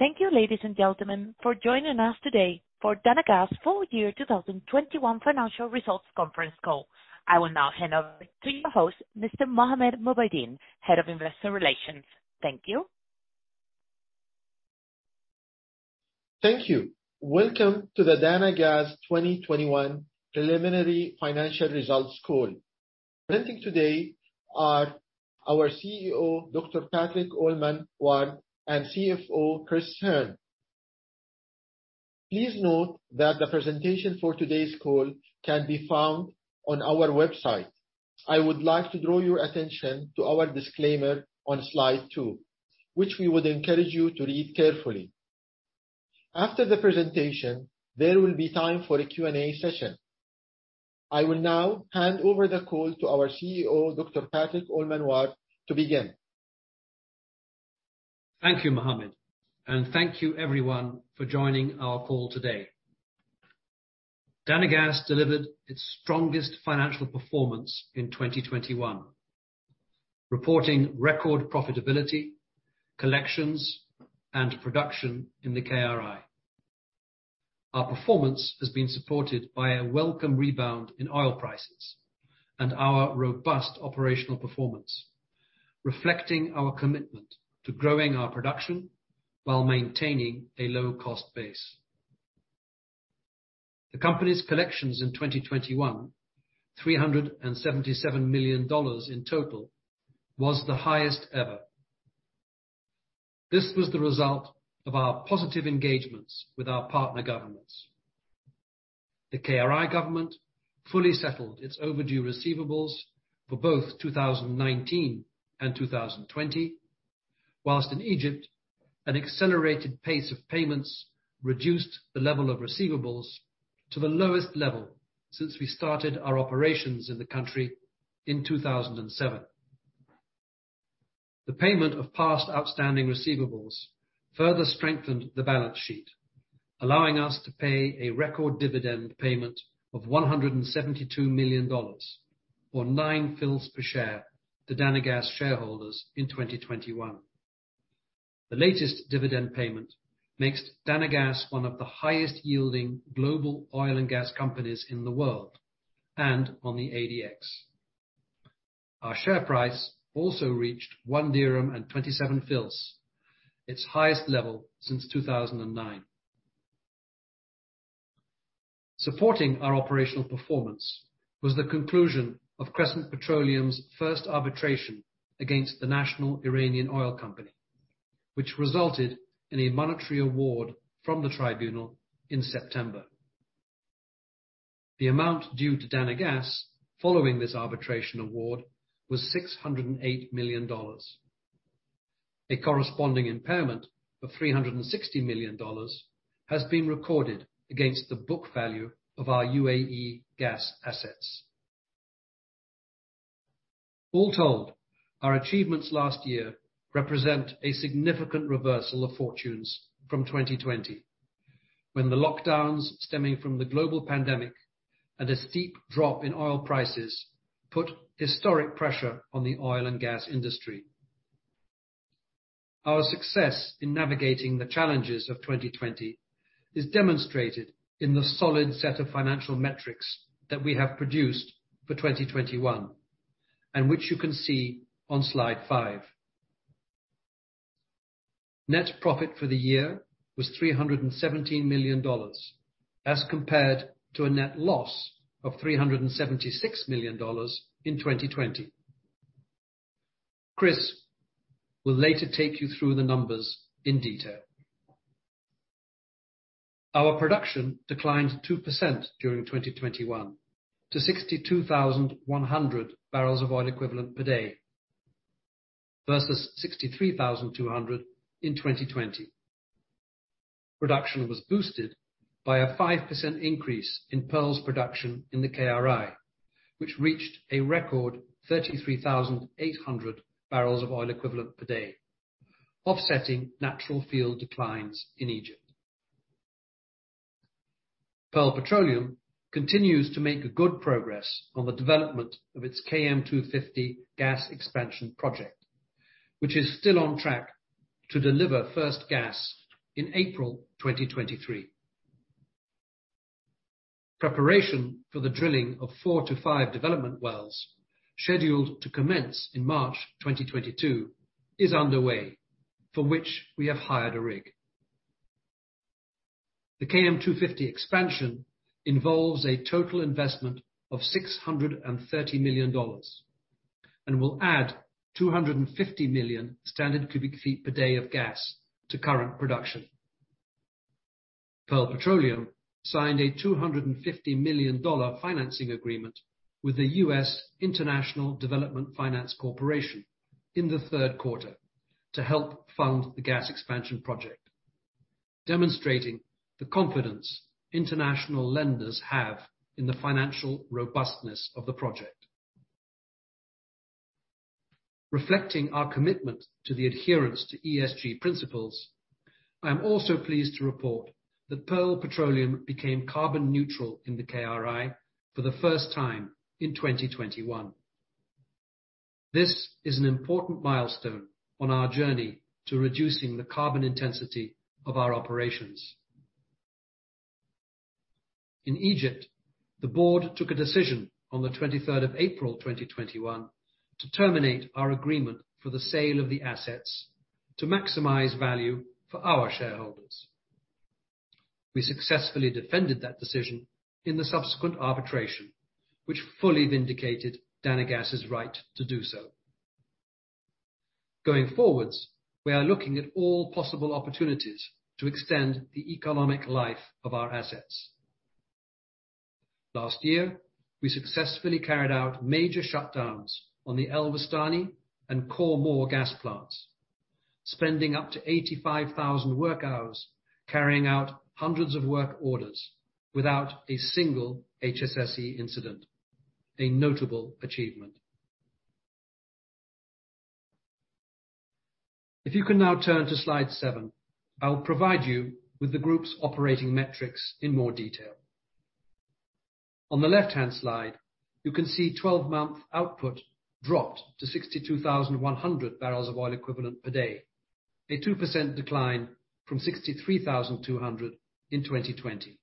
Thank you, ladies and gentlemen, for joining us today for Dana Gas full year 2021 financial results conference call. I will now hand over to your host, Mr. Mohammed Mubaideen, Head of Investor Relations. Thank you. Thank you. Welcome to the Dana Gas 2021 preliminary financial results call. Presenting today are our CEO, Dr. Patrick Allman-Ward and CFO, Chris Hearne. Please note that the presentation for today's call can be found on our website. I would like to draw your attention to our disclaimer on slide two, which we would encourage you to read carefully. After the presentation, there will be time for a Q&A session. I will now hand over the call to our CEO, Dr. Patrick Allman-Ward to begin. Thank you, Mohammed, and thank you everyone for joining our call today. Dana Gas delivered its strongest financial performance in 2021, reporting record profitability, collections, and production in the KRI. Our performance has been supported by a welcome rebound in oil prices and our robust operational performance, reflecting our commitment to growing our production while maintaining a low cost base. The company's collections in 2021, $377 million in total, was the highest ever. This was the result of our positive engagements with our partner governments. The KRI government fully settled its overdue receivables for both 2019 and 2020, while in Egypt, an accelerated pace of payments reduced the level of receivables to the lowest level since we started our operations in the country in 2007. The payment of past outstanding receivables further strengthened the balance sheet, allowing us to pay a record dividend payment of $172 million or 0.09 per share to Dana Gas shareholders in 2021. The latest dividend payment makes Dana Gas one of the highest yielding global oil and gas companies in the world, and on the ADX. Our share price also reached 1.27 dirham, its highest level since 2009. Supporting our operational performance was the conclusion of Crescent Petroleum's first arbitration against the National Iranian Oil Company, which resulted in a monetary award from the tribunal in September. The amount due to Dana Gas following this arbitration award was $608 million. A corresponding impairment of $360 million has been recorded against the book value of our UAE gas assets. All told, our achievements last year represent a significant reversal of fortunes from 2020 when the lockdowns stemming from the global pandemic and a steep drop in oil prices put historic pressure on the oil and gas industry. Our success in navigating the challenges of 2020 is demonstrated in the solid set of financial metrics that we have produced for 2021, and which you can see on slide five. Net profit for the year was $317 million, as compared to a net loss of $376 million in 2020. Chris will later take you through the numbers in detail. Our production declined 2% during 2021 to 62,100 barrels of oil equivalent per day versus 63,200 in 2020. Production was boosted by a 5% increase in Pearl's production in the KRI, which reached a record 33,800 barrels of oil equivalent per day, offsetting natural field declines in Egypt. Pearl Petroleum continues to make good progress on the development of its KM250 gas expansion project, which is still on track to deliver first gas in April 2023. Preparation for the drilling of four to five development wells scheduled to commence in March 2022 is underway, for which we have hired a rig. The KM250 expansion involves a total investment of $630 million and will add 250 million standard cubic feet per day of gas to current production. Pearl Petroleum signed a $250 million financing agreement with the U.S. International Development Finance Corporation in the third quarter to help fund the gas expansion project, demonstrating the confidence international lenders have in the financial robustness of the project. Reflecting our commitment to the adherence to ESG principles, I am also pleased to report that Pearl Petroleum became carbon neutral in the KRI for the first time in 2021. This is an important milestone on our journey to reducing the carbon intensity of our operations. In Egypt, the Board took a decision on the 23rd of April, 2021 to terminate our agreement for the sale of the assets to maximize value for our shareholders. We successfully defended that decision in the subsequent arbitration, which fully vindicated Dana Gas's right to do so. Going forwards, we are looking at all possible opportunities to extend the economic life of our assets. Last year, we successfully carried out major shutdowns on the El Wastani and Khor Mor gas plants, spending up to 85,000 work hours carrying out hundreds of work orders without a single HSSE incident. A notable achievement. If you can now turn to slide seven, I will provide you with the group's operating metrics in more detail. On the left-hand slide, you can see 12-month output dropped to 62,100 barrels of oil equivalent per day, a 2% decline from 63,200 in 2020.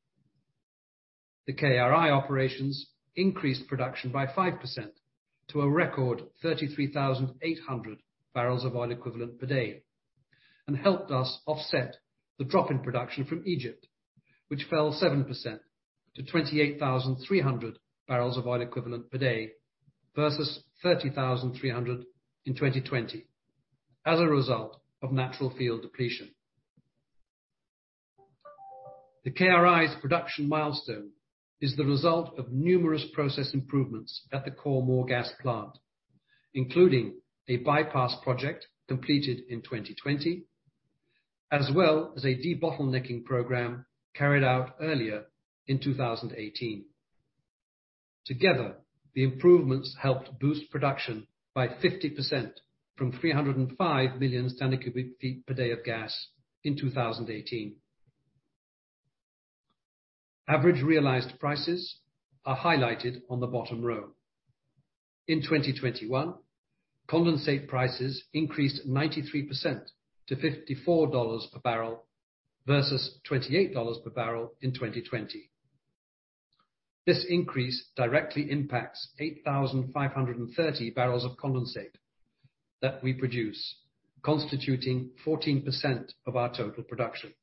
The KRI operations increased production by 5% to a record 33,800 barrels of oil equivalent per day, and helped us offset the drop in production from Egypt, which fell 7% to 28,300 barrels of oil equivalent per day versus 30,300 in 2020, as a result of natural field depletion. The KRI's production milestone is the result of numerous process improvements at the Khor Mor gas plant, including a bypass project completed in 2020, as well as a debottlenecking program carried out earlier in 2018. Together, the improvements helped boost production by 50% from 305 million standard cubic feet per day of gas in 2018. Average realized prices are highlighted on the bottom row. In 2021, condensate prices increased 93% to $54 per barrel versus $28 per barrel in 2020. This increase directly impacts 8,530 barrels of condensate that we produce, constituting 14% of our total production.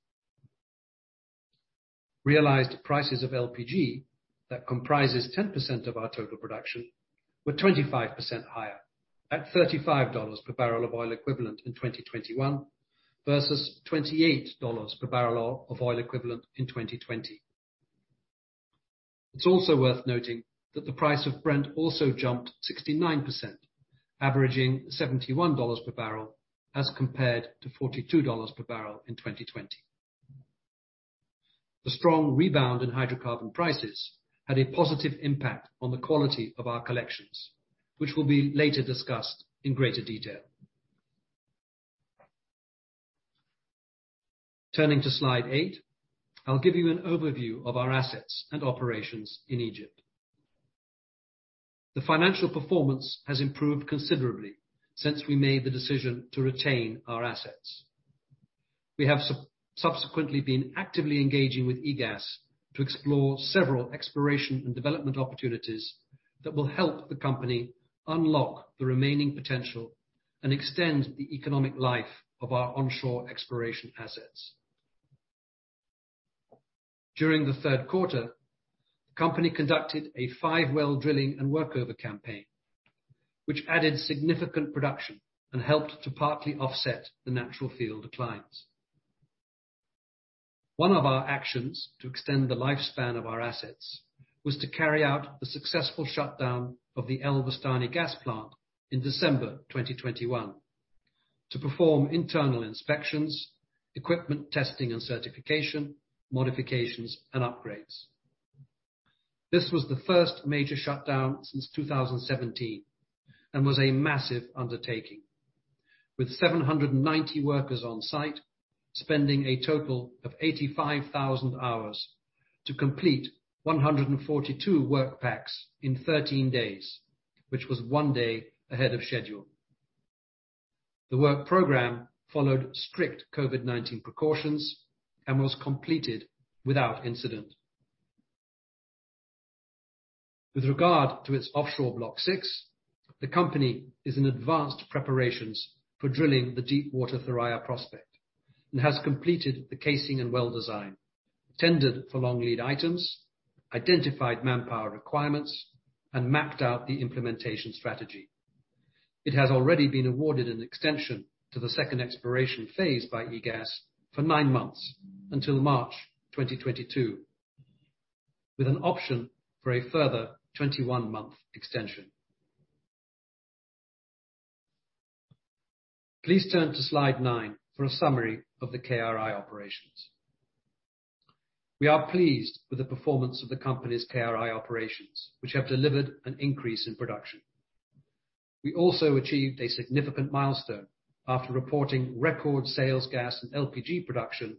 Realized prices of LPG that comprises 10% of our total production were 25% higher at $35 per barrel of oil equivalent in 2021 versus $28 per barrel of oil equivalent in 2020. It's also worth noting that the price of Brent also jumped 69%, averaging $71 per barrel, as compared to $42 per barrel in 2020. The strong rebound in hydrocarbon prices had a positive impact on the quality of our collections, which will be later discussed in greater detail. Turning to slide 8, I'll give you an overview of our assets and operations in Egypt. The financial performance has improved considerably since we made the decision to retain our assets. We have subsequently been actively engaging with EGAS to explore several exploration and development opportunities that will help the company unlock the remaining potential and extend the economic life of our onshore exploration assets. During the third quarter, the company conducted a five-well drilling and workover campaign, which added significant production and helped to partly offset the natural field declines. One of our actions to extend the lifespan of our assets was to carry out the successful shutdown of the El Wastani gas plant in December 2021 to perform internal inspections, equipment testing and certification, modifications, and upgrades. This was the first major shutdown since 2017, and was a massive undertaking. With 790 workers on site spending a total of 85,000 hours to complete 142 work packs in 13 days, which was one day ahead of schedule. The work program followed strict COVID-19 precautions and was completed without incident. With regard to its offshore Block 6, the company is in advanced preparations for drilling the deep water Thuraya prospect and has completed the casing and well design, tendered for long lead items, identified manpower requirements, and mapped out the implementation strategy. It has already been awarded an extension to the second exploration phase by EGAS for nine months until March 2022, with an option for a further 21-month extension. Please turn to slide nine for a summary of the KRI operations. We are pleased with the performance of the company's KRI operations, which have delivered an increase in production. We also achieved a significant milestone after reporting record sales gas and LPG production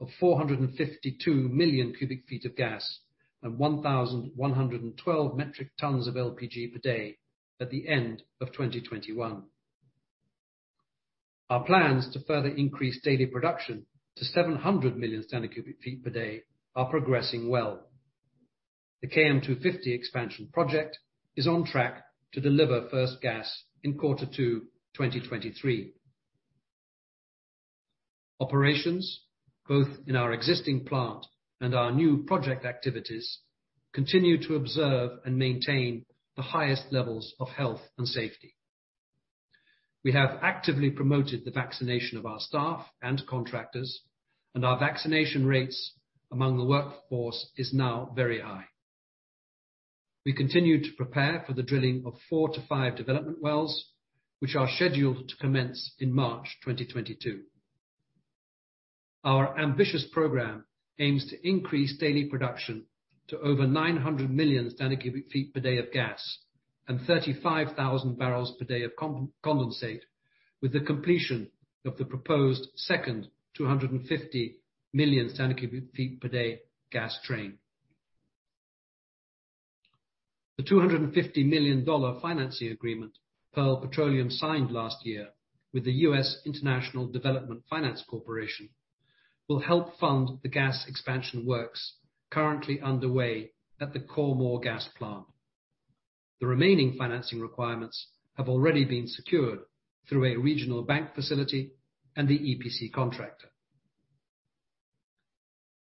of 452 million cubic feet of gas and 1,112 metric t of LPG per day at the end of 2021. Our plans to further increase daily production to 700 million standard cubic feet per day are progressing well. The KM250 expansion project is on track to deliver first gas in Q2 2023. Operations, both in our existing plant and our new project activities, continue to observe and maintain the highest levels of health and safety. We have actively promoted the vaccination of our staff and contractors, and our vaccination rates among the workforce is now very high. We continue to prepare for the drilling of 4-5 development wells, which are scheduled to commence in March 2022. Our ambitious program aims to increase daily production to over 900 million standard cubic feet per day of gas and 35,000 barrels per day of condensate with the completion of the proposed second 250 million standard cubic feet per day gas train. The $250 million financing agreement Pearl Petroleum signed last year with the U.S. International Development Finance Corporation will help fund the gas expansion works currently underway at the Khor Mor gas plant. The remaining financing requirements have already been secured through a regional bank facility and the EPC contractor.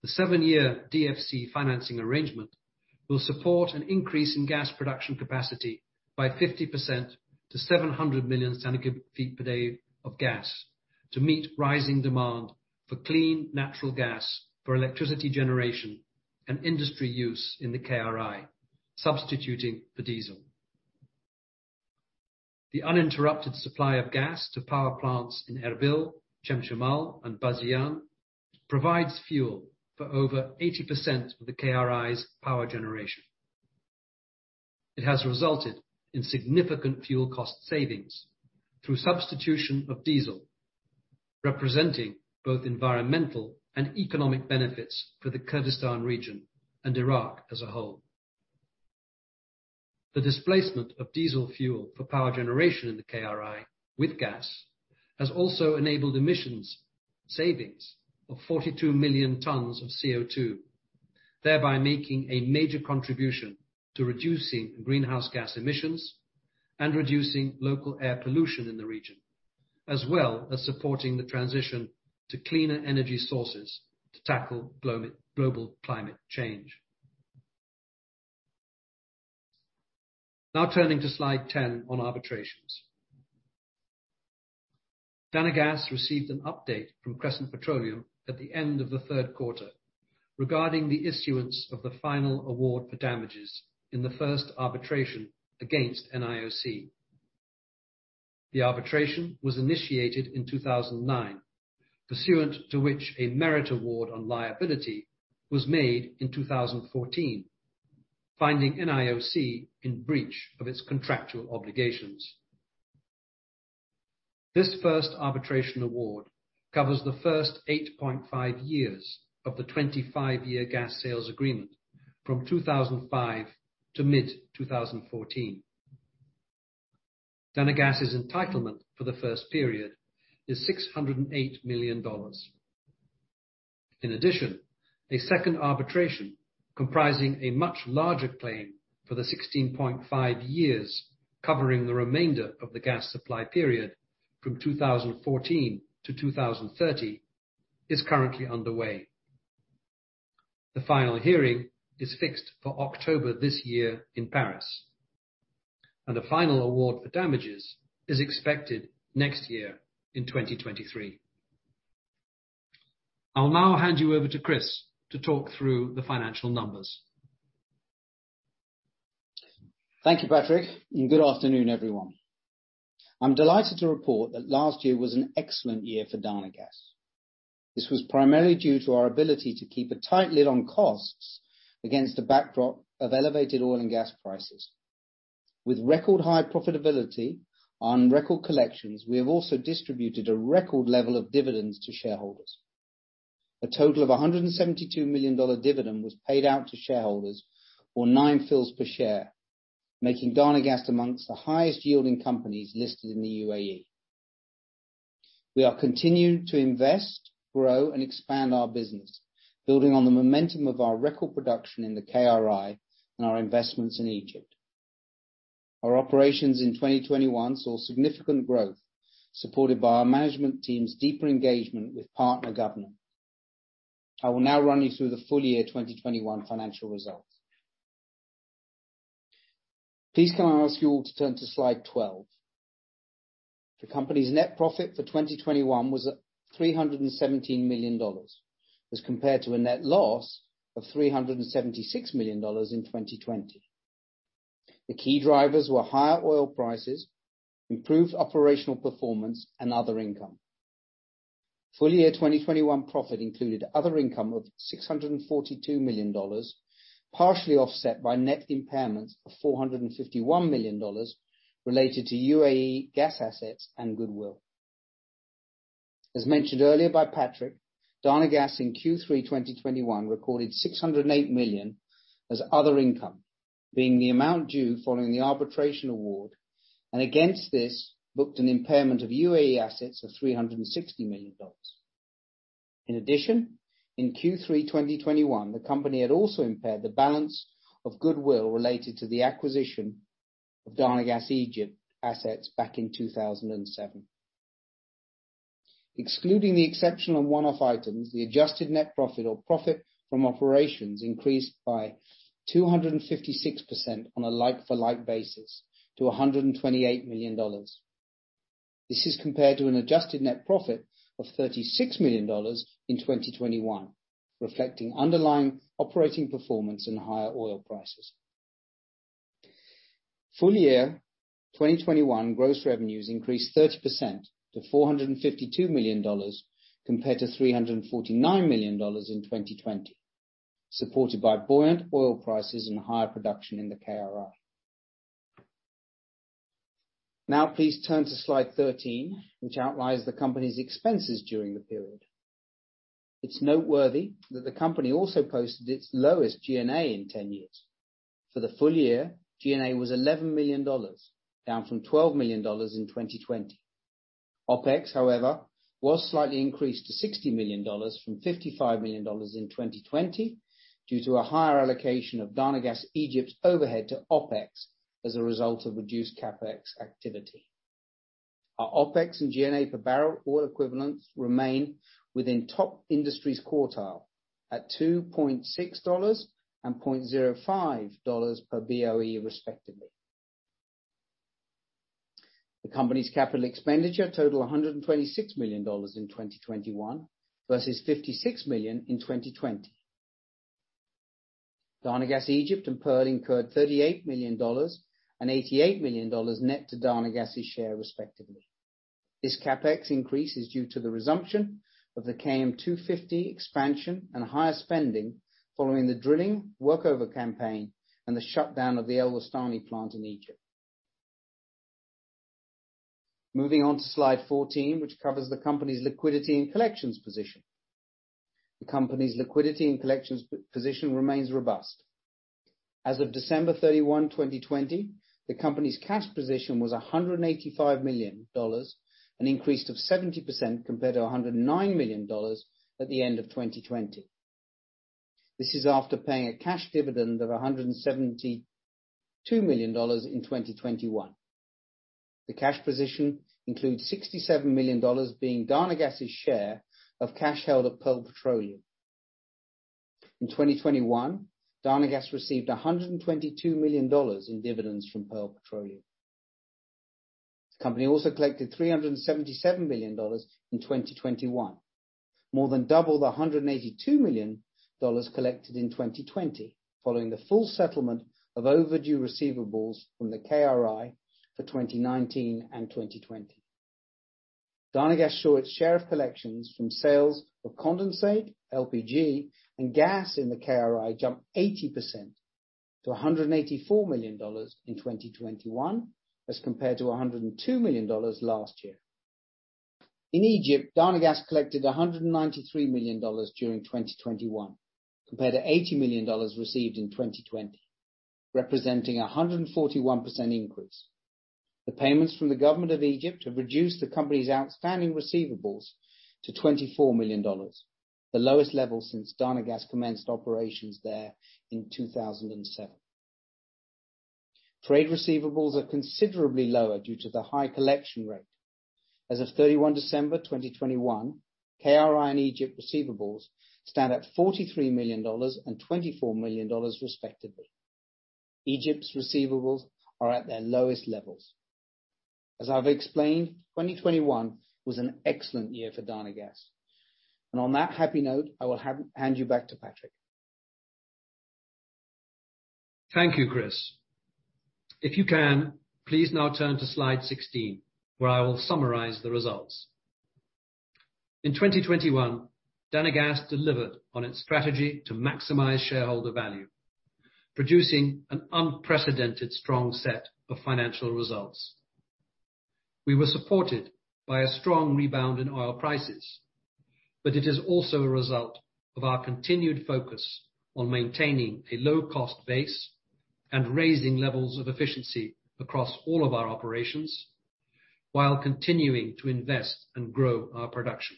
The seven-year DFC financing arrangement will support an increase in gas production capacity by 50% to 700 million standard cubic feet per day of gas to meet rising demand for clean natural gas for electricity generation and industry use in the KRI, substituting for diesel. The uninterrupted supply of gas to power plants in Erbil, Chemchemal, and Bazian provides fuel for over 80% of the KRI's power generation. It has resulted in significant fuel cost savings through substitution of diesel, representing both environmental and economic benefits for the Kurdistan region and Iraq as a whole. The displacement of diesel fuel for power generation in the KRI with gas has also enabled emissions savings of 42 million t of CO2, thereby making a major contribution to reducing greenhouse gas emissions and reducing local air pollution in the region, as well as supporting the transition to cleaner energy sources to tackle global climate change. Now turning to slide 10 on arbitrations. Dana Gas received an update from Crescent Petroleum at the end of the third quarter regarding the issuance of the final award for damages in the first arbitration against NIOC. The arbitration was initiated in 2009, pursuant to which a merit award on liability was made in 2014, finding NIOC in breach of its contractual obligations. This first arbitration award covers the first 8.5 years of the 25-year gas sales agreement from 2005 to mid-2014. Dana Gas's entitlement for the first period is $608 million. In addition, a second arbitration comprising a much larger claim for the 16.5 years covering the remainder of the gas supply period from 2014 to 2030 is currently underway. The final hearing is fixed for October this year in Paris, and the final award for damages is expected next year in 2023. I'll now hand you over to Chris to talk through the financial numbers. Thank you, Patrick, and good afternoon, everyone. I'm delighted to report that last year was an excellent year for Dana Gas. This was primarily due to our ability to keep a tight lid on costs against the backdrop of elevated oil and gas prices. With record high profitability on record collections, we have also distributed a record level of dividends to shareholders. A total of $172 million dividend was paid out to shareholders or 9 fils per share, making Dana Gas among the highest yielding companies listed in the UAE. We are continuing to invest, grow, and expand our business, building on the momentum of our record production in the KRI and our investments in Egypt. Our operations in 2021 saw significant growth, supported by our management team's deeper engagement with partner government. I will now run you through the full year 2021 financial results. Please can I ask you all to turn to slide 12. The company's net profit for 2021 was $317 million as compared to a net loss of $376 million in 2020. The key drivers were higher oil prices, improved operational performance, and other income. Full year 2021 profit included other income of $642 million, partially offset by net impairments of $451 million related to UAE gas assets and goodwill. As mentioned earlier by Patrick, Dana Gas in Q3 2021 recorded $608 million as other income, being the amount due following the arbitration award and against this booked an impairment of UAE assets of $360 million. In addition, in Q3 2021, the company had also impaired the balance of goodwill related to the acquisition of Dana Gas Egypt assets back in 2007. Excluding the exceptional one-off items, the adjusted net profit or profit from operations increased by 256% on a like-for-like basis to $128 million. This is compared to an adjusted net profit of $36 million in 2021, reflecting underlying operating performance and higher oil prices. Full-year 2021 gross revenues increased 30% to $452 million compared to $349 million in 2020, supported by buoyant oil prices and higher production in the KRI. Now please turn to slide 13 which outlines the company's expenses during the period. It's noteworthy that the company also posted its lowest G&A in 10 years. For the full year, G&A was $11 million, down from $12 million in 2020. OPEX, however, was slightly increased to $60 million from $55 million in 2020 due to a higher allocation of Dana Gas Egypt's overhead to OPEX as a result of reduced CapEx activity. Our OPEX and G&A per barrel oil equivalents remain within top industries quartile at $2.6 and $0.05 per BOE, respectively. The company's capital expenditure totaled $126 million in 2021 versus $56 million in 2020. Dana Gas Egypt and Pearl incurred $38 million and $88 million net to Dana Gas' share, respectively. This CapEx increase is due to the resumption of the KM250 expansion and higher spending following the drilling workover campaign and the shutdown of the El Wastani plant in Egypt. Moving on to slide 14, which covers the company's liquidity and collections position. The company's liquidity and collections position remains robust. As of December 31, 2020, the company's cash position was $185 million, an increase of 70% compared to $109 million at the end of 2020. This is after paying a cash dividend of $172 million in 2021. The cash position includes $67 million being Dana Gas' share of cash held at Pearl Petroleum. In 2021, Dana Gas received $122 million in dividends from Pearl Petroleum. The company also collected $377 million in 2021, more than double the 182 million dollars collected in 2020, following the full settlement of overdue receivables from the KRI for 2019 and 2020. Dana Gas saw its share of collections from sales of condensate, LPG and gas in the KRI jump 80% to 184 million dollars in 2021 as compared to 102 million dollars last year. In Egypt, Dana Gas collected 193 million dollars during 2021 compared to 80 million dollars received in 2020, representing a 141% increase. The payments from the government of Egypt have reduced the company's outstanding receivables to 24 million dollars, the lowest level since Dana Gas commenced operations there in 2007. Trade receivables are considerably lower due to the high collection rate. As of 31 December 2021, KRI and Egypt receivables stand at $43 million and $24 million respectively. Egypt's receivables are at their lowest levels. As I've explained, 2021 was an excellent year for Dana Gas. On that happy note, I will hand you back to Patrick. Thank you, Chris. If you can, please now turn to slide 16 where I will summarize the results. In 2021, Dana Gas delivered on its strategy to maximize shareholder value, producing an unprecedented strong set of financial results. We were supported by a strong rebound in oil prices, but it is also a result of our continued focus on maintaining a low-cost base and raising levels of efficiency across all of our operations while continuing to invest and grow our production.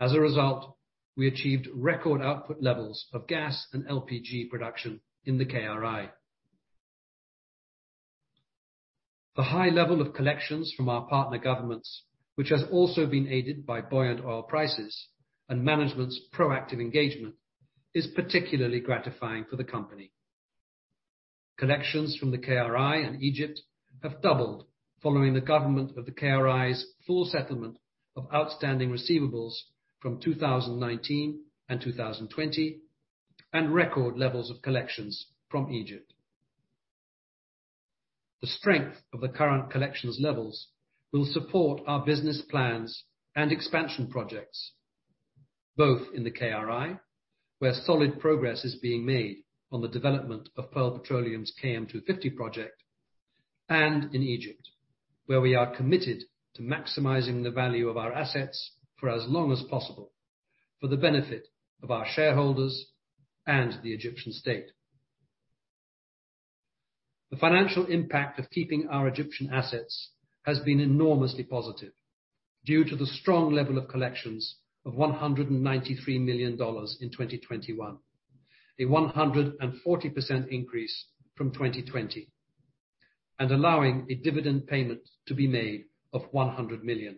As a result, we achieved record output levels of gas and LPG production in the KRI. The high level of collections from our partner governments, which has also been aided by buoyant oil prices and management's proactive engagement, is particularly gratifying for the company. Collections from the KRI and Egypt have doubled following the government of the KRI's full settlement of outstanding receivables from 2019 and 2020, and record levels of collections from Egypt. The strength of the current collections levels will support our business plans and expansion projects. Both in the KRI, where solid progress is being made on the development of Pearl Petroleum's KM250 project and in Egypt, where we are committed to maximizing the value of our assets for as long as possible for the benefit of our shareholders and the Egyptian state. The financial impact of keeping our Egyptian assets has been enormously positive due to the strong level of collections of $193 million in 2021. A 140% increase from 2020. Allowing a dividend payment to be made of $100 million.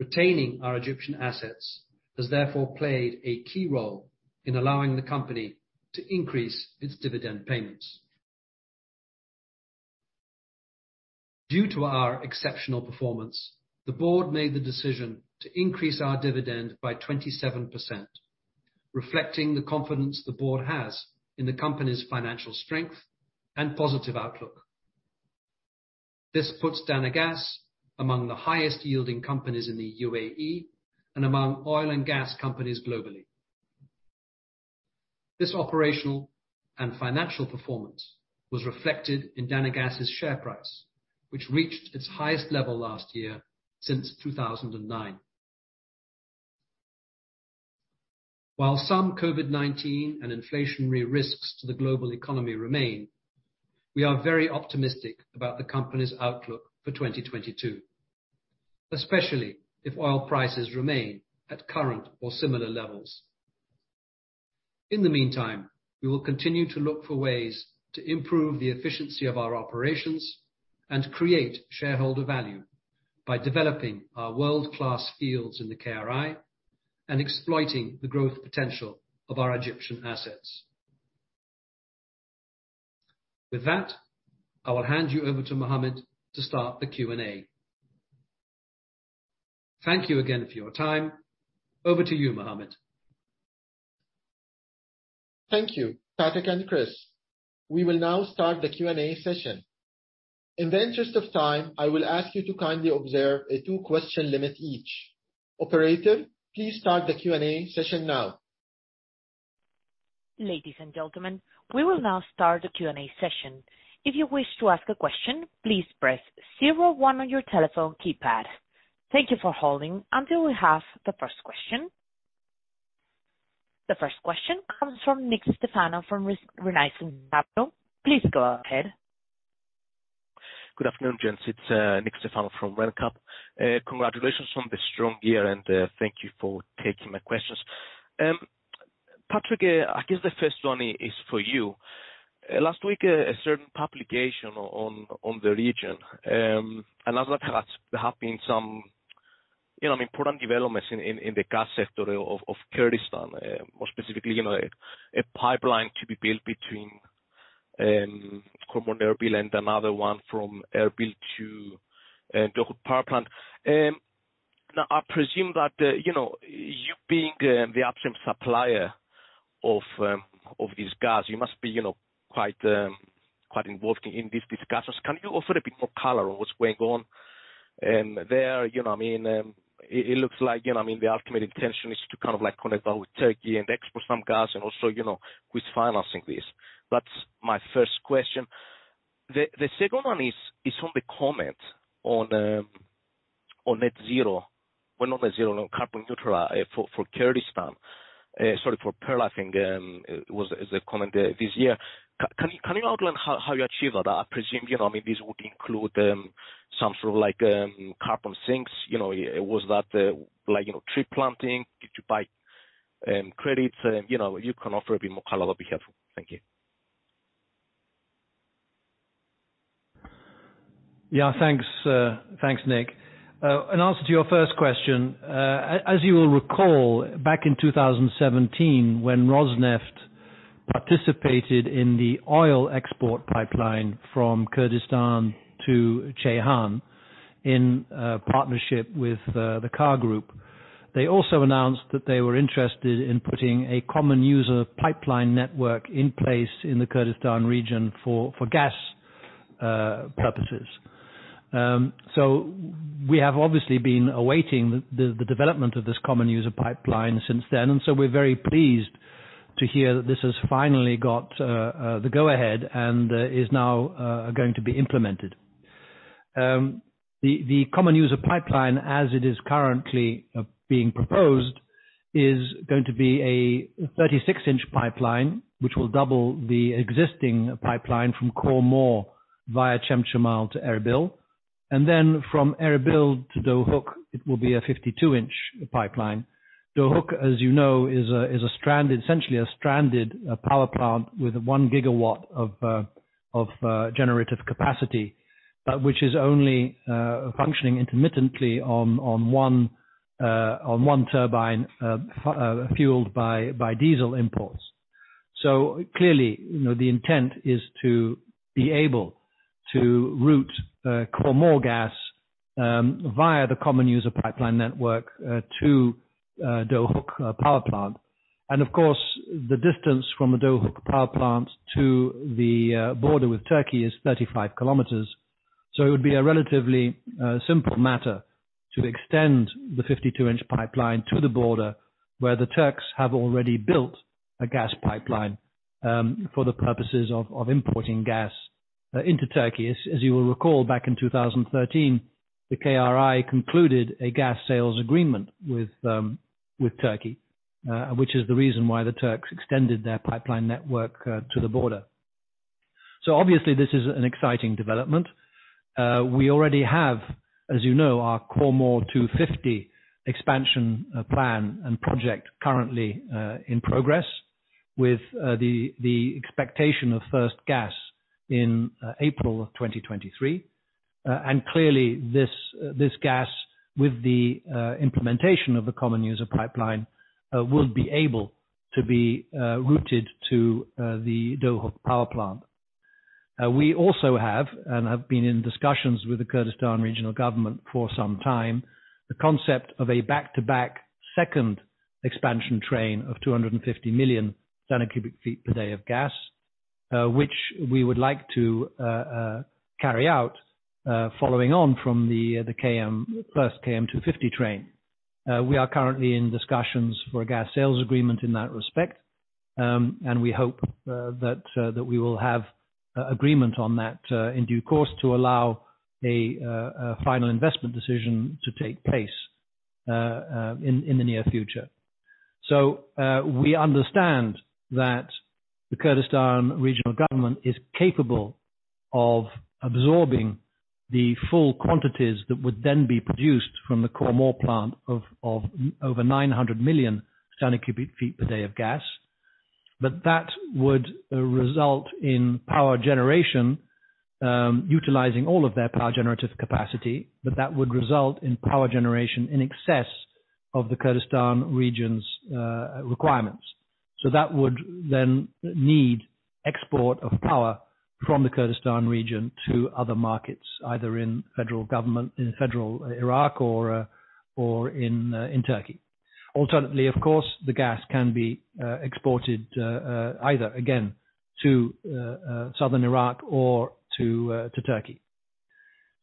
Retaining our Egyptian assets has therefore played a key role in allowing the company to increase its dividend payments. Due to our exceptional performance, the Board made the decision to increase our dividend by 27%, reflecting the confidence the Board has in the company's financial strength and positive outlook. This puts Dana Gas among the highest yielding companies in the UAE and among oil and gas companies globally. This operational and financial performance was reflected in Dana Gas' share price, which reached its highest level last year since 2009. While some COVID-19 and inflationary risks to the global economy remain, we are very optimistic about the company's outlook for 2022, especially if oil prices remain at current or similar levels. In the meantime, we will continue to look for ways to improve the efficiency of our operations and create shareholder value by developing our world-class fields in the KRI and exploiting the growth potential of our Egyptian assets. With that, I will hand you over to Mohammed to start the Q&A. Thank you again for your time. Over to you, Mohammed. Thank you, Patrick and Chris. We will now start the Q&A session. In the interest of time, I will ask you to kindly observe a two question limit each. Operator, please start the Q&A session now. Ladies and gentlemen, we will now start the Q&A session. If you wish to ask a question, please press zero one on your telephone keypad. Thank you for holding until we have the first question. The first question comes from Nikolas Stefanou from Renaissance Capital. Please go ahead. Good afternoon, gents. It's Nikolas Stefanou from Renaissance Capital. Congratulations on the strong year, and thank you for taking my questions. Patrick, I guess the first one is for you. Last week a certain publication on the region announced that there have been some, you know, important developments in the gas sector of Kurdistan. More specifically, you know, a pipeline to be built between Khor Mor and Erbil and another one from Erbil to Duhok Power Plant. Now I presume that, you know, you being the upstream supplier of this gas, you must be, you know, quite involved in these discussions. Can you offer a bit more color on what's going on there? You know what I mean? It looks like the ultimate intention is to kind of like connect with Turkey and export some gas and also, you know, who's financing this? That's my first question. The second one is on the comment on net zero. Well, not net zero, no. Carbon neutral for Kurdistan. Sorry for Pearl, I think, is the comment this year. Can you outline how you achieve that? I presume this would include some sort of like carbon sinks. You know, was that like tree planting? Did you buy credits? You know, you can offer a bit more color. It will be helpful. Thank you. Yeah. Thanks, Nick. In answer to your first question, as you will recall, back in 2017 when Rosneft participated in the oil export pipeline from Kurdistan to Ceyhan in partnership with the KAR Group. They also announced that they were interested in putting a common user pipeline network in place in the Kurdistan region for gas purposes. We have obviously been awaiting the development of this common user pipeline since then. We're very pleased to hear that this has finally got the go ahead and is now going to be implemented. The common user pipeline as it is currently being proposed is going to be a 36-inch pipeline, which will double the existing pipeline from Khor Mor via Chemchemal to Erbil. From Erbil to Duhok, it will be a 52-inch pipeline. Duhok, as you know, is a stranded, essentially a stranded power plant with 1 GW of generative capacity, but which is only functioning intermittently on one turbine fueled by diesel imports. Clearly, you know, the intent is to be able to route Khor Mor gas via the common user pipeline network to Duhok Power Plant. Of course, the distance from the Duhok Power Plant to the border with Turkey is 35 km. It would be a relatively simple matter to extend the 52-inch pipeline to the border, where the Turks have already built a gas pipeline for the purposes of importing gas into Turkey. As you will recall, back in 2013, the KRI concluded a gas sales agreement with Turkey, which is the reason why the Turks extended their pipeline network to the border. Obviously this is an exciting development. We already have, as you know, our Khor Mor 250 expansion plan and project currently in progress with the expectation of first gas in April 2023. Clearly this gas with the implementation of the common user pipeline will be able to be routed to the Duhok power plant. We also have and have been in discussions with the Kurdistan Regional Government for some time the concept of a back-to-back second expansion train of 250 million standard cubic feet per day of gas, which we would like to carry out following on from the first KM250 train. We are currently in discussions for a gas sales agreement in that respect. We hope that we will have an agreement on that in due course to allow a final investment decision to take place in the near future. We understand that the Kurdistan Regional Government is capable of absorbing the full quantities that would then be produced from the Khor Mor plant of over 900 million standard cubic feet per day of gas. That would result in power generation utilizing all of their power generation capacity, but that would result in power generation in excess of the Kurdistan Region's requirements. That would then need export of power from the Kurdistan Region to other markets, either in federal government, in federal Iraq or in Turkey. Alternatively, of course, the gas can be exported either again to southern Iraq or to Turkey.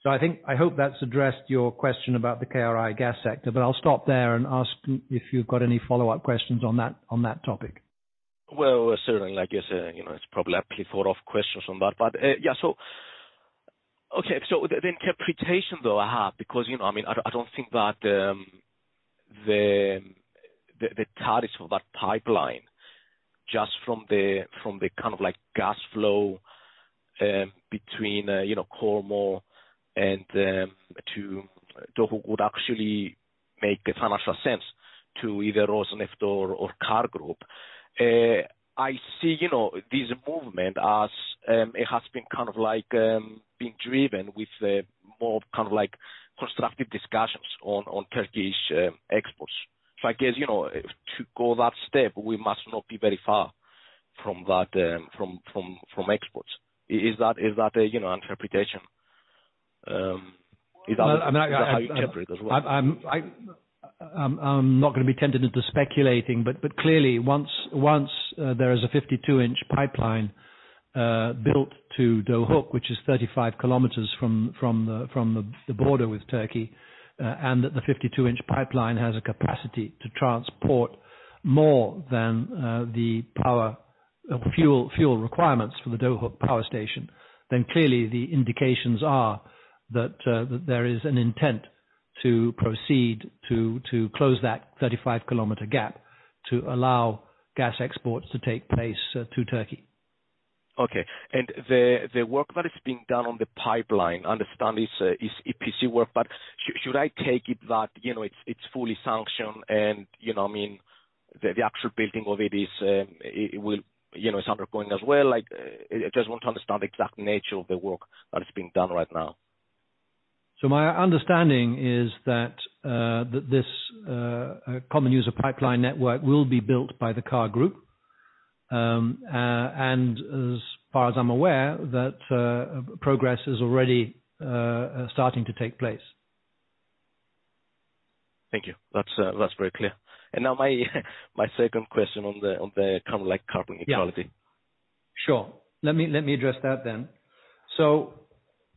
I think I hope that's addressed your question about the KRI gas sector, but I'll stop there and ask if you've got any follow-up questions on that, on that topic. Well, certainly, it's probably a lot of questions on that. Yeah, the interpretation though I have, because I don't think that the tariffs for that pipeline, just from the kind of like gas flow between, you know, Khor Mor and to Duhok would actually make financial sense to either Rosneft or KAR Group. This movement as it has been kind of like being driven with more of kind of like constructive discussions on Turkish exports. To go that step, we must not be very far from that, from exports. Is that you know, interpretation? Is that how you interpret as well? I'm not going to be tempted into speculating, but clearly once there is a 52-inch pipeline built to Duhok, which is 35 km from the border with Turkey, and that the 52-inch pipeline has a capacity to transport more than the power fuel requirements for the Duhok power station, then clearly the indications are that there is an intent to proceed to close that 35 km gap to allow gas exports to take place to Turkey. Okay. The work that is being done on the pipeline I understand is EPC work. Should I take it that, you know, it's fully sanctioned and the actual building of it's undergoing as well. Like, I just want to understand the exact nature of the work that is being done right now. My understanding is that this common user pipeline network will be built by the KAR Group. As far as I'm aware, that progress is already starting to take place. Thank you. That's very clear. Now my second question on the kind of like carbon equality. Yeah. Sure. Let me address that.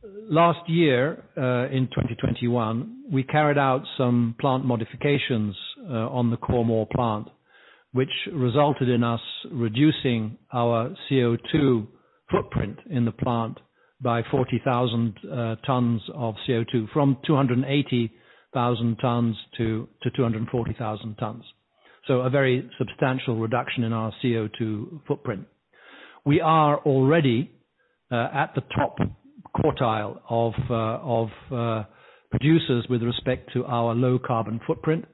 Last year, in 2021, we carried out some plant modifications on the Khor Mor plant, which resulted in us reducing our CO2 footprint in the plant by 40,000 t of CO2 from 280,000 t to 240,000 t. A very substantial reduction in our CO2 footprint. We are already at the top quartile of producers with respect to our low carbon footprint.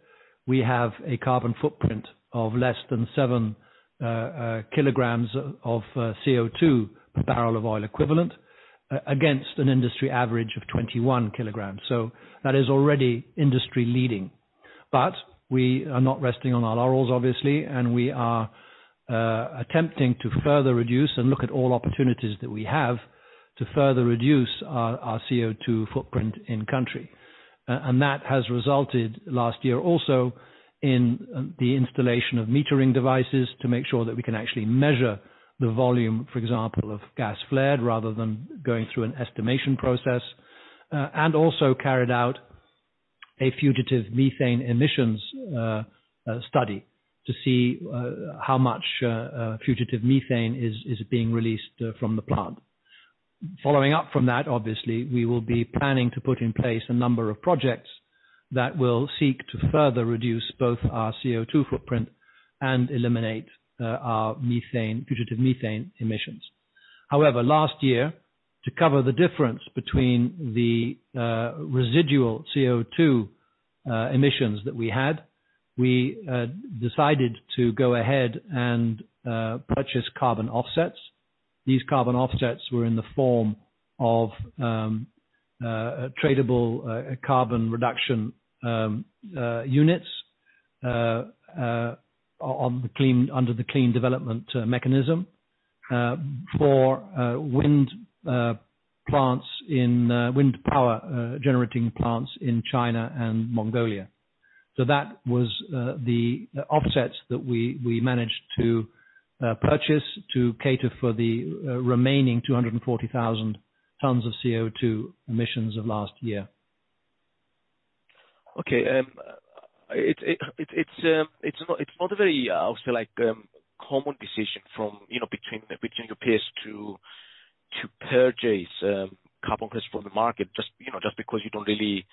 We have a carbon footprint of less than seven kilograms of CO2 per barrel of oil equivalent against an industry average of 21 kg. That is already industry leading. We are not resting on our laurels, obviously, and we are attempting to further reduce and look at all opportunities that we have to further reduce our CO2 footprint in country. That has resulted last year also in the installation of metering devices to make sure that we can actually measure the volume, for example, of gas flared rather than going through an estimation process, and also carried out a fugitive methane emissions study to see how much fugitive methane is being released from the plant. Following up from that, obviously, we will be planning to put in place a number of projects that will seek to further reduce both our CO2 footprint and eliminate our methane, fugitive methane emissions. However, last year, to cover the difference between the residual CO2 emissions that we had, we decided to go ahead and purchase carbon offsets. These carbon offsets were in the form of tradable carbon reduction units under the Clean Development Mechanism for wind plants in wind power generating plants in China and Mongolia. That was the offsets that we managed to purchase to cater for the remaining 240,000 t of CO2 emissions of last year. Okay. It's not a very common decision from, you know, between your peers to purchase carbon credits from the market just, you know, just because you don't really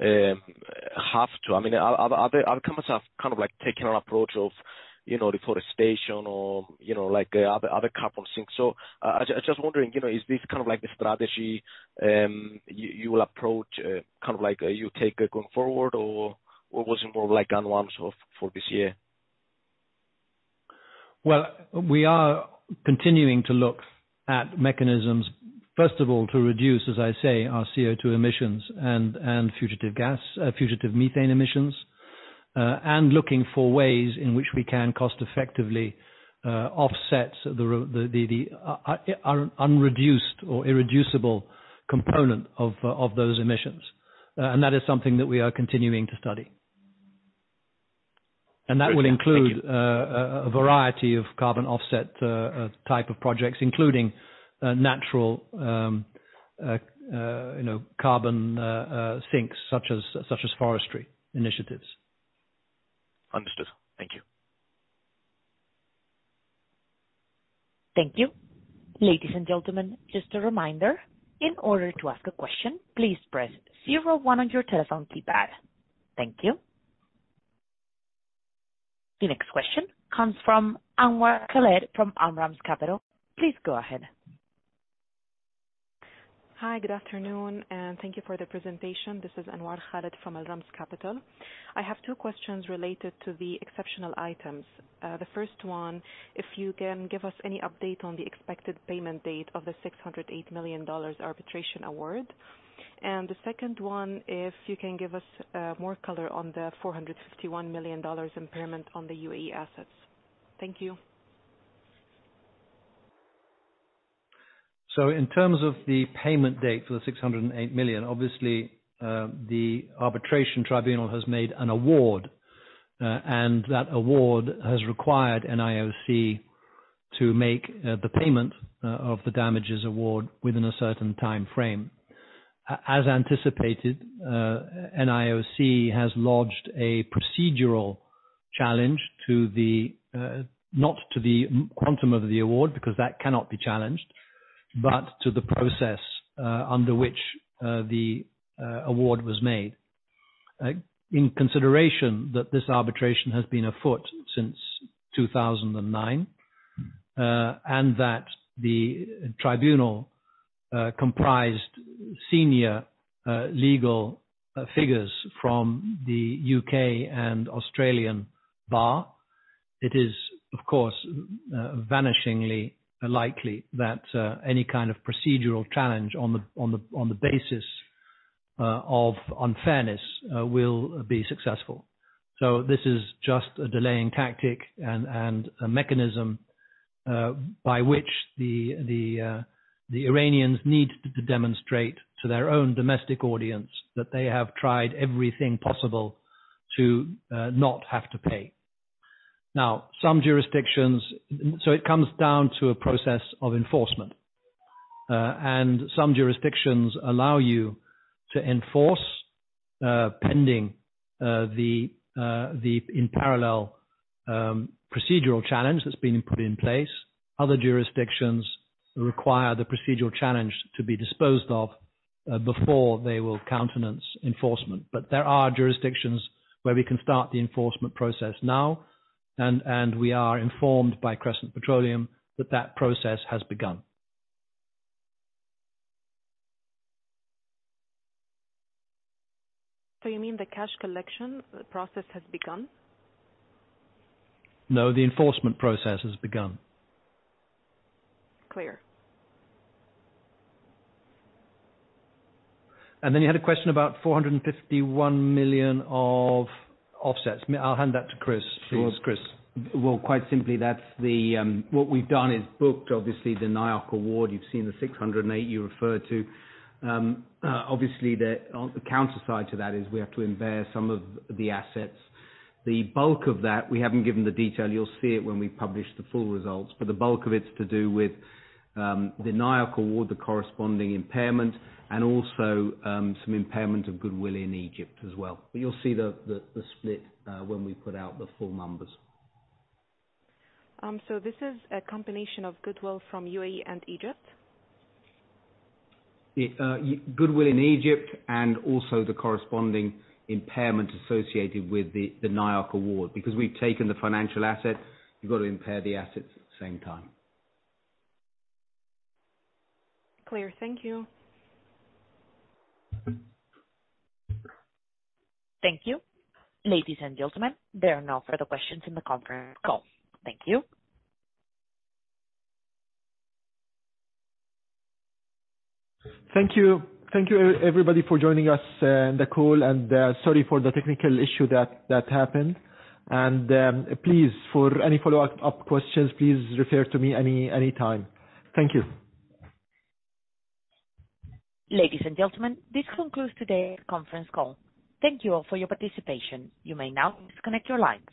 have to. I mean, other companies have kind of, like, taken an approach of reforestation or other carbon sinks. I was just wondering, you know, is this kind of like the strategy you will approach, kind of like you take going forward, or was it more like one-offs for this year? Well, we are continuing to look at mechanisms, first of all, to reduce, as I say, our CO2 emissions and fugitive methane emissions, and looking for ways in which we can cost-effectively offset the unreduced or irreducible component of those emissions. That is something that we are continuing to study. Great. Thank you. That will include a variety of carbon offset type of projects, including natural you know carbon sinks such as forestry initiatives. Understood. Thank you. Thank you. Ladies and gentlemen, just a reminder, in order to ask a question, please press zero one on your telephone keypad. Thank you. The next question comes from Anwar Khaled from Al Ramz Capital. Please go ahead. Hi, good afternoon, and thank you for the presentation. This is Anwar Khaled from Al Ramz Capital. I have two questions related to the exceptional items. The first one, if you can give us any update on the expected payment date of the $608 million arbitration award. The second one, if you can give us more color on the $451 million impairment on the UAE assets. Thank you. In terms of the payment date for the $608 million, obviously, the arbitration tribunal has made an award, and that award has required NIOC to make the payment of the damages award within a certain time frame. As anticipated, NIOC has lodged a procedural challenge to the, not to the quantum of the award, because that cannot be challenged, but to the process under which the award was made. In consideration that this arbitration has been afoot since 2009, and that the tribunal comprised senior legal figures from the U.K. and Australian Bar, it is of course vanishingly likely that any kind of procedural challenge on the basis of unfairness will be successful. This is just a delaying tactic and a mechanism by which the Iranians need to demonstrate to their own domestic audience that they have tried everything possible to not have to pay. It comes down to a process of enforcement, and some jurisdictions allow you to enforce pending the in-parallel procedural challenge that's been put in place. Other jurisdictions require the procedural challenge to be disposed of before they will countenance enforcement. There are jurisdictions where we can start the enforcement process now, and we are informed by Crescent Petroleum that that process has begun. You mean the cash collection process has begun? No, the enforcement process has begun. Clear. You had a question about 451 million of offsets. I'll hand that to Chris. Sure. Please, Chris. Well, quite simply, what we've done is booked, obviously, the NIOC award. You've seen the 608 you referred to. Obviously, the counter side to that is we have to impair some of the assets. The bulk of that, we haven't given the detail. You'll see it when we publish the full results. The bulk of it is to do with the NIOC award, the corresponding impairment, and also some impairment of goodwill in Egypt as well. You'll see the split when we put out the full numbers. This is a combination of goodwill from UAE and Egypt? The goodwill in Egypt and also the corresponding impairment associated with the NIOC award. Because we've taken the financial asset, you've got to impair the assets at the same time. Clear. Thank you. Thank you. Ladies and gentlemen, there are no further questions in the conference call. Thank you. Thank you. Thank you everybody for joining us in the call, and sorry for the technical issue that happened. Please, for any follow up questions, refer to me anytime. Thank you. Ladies and gentlemen, this concludes today's conference call. Thank you all for your participation. You may now disconnect your lines.